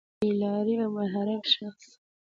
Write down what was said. بې لاري او منحرف شخص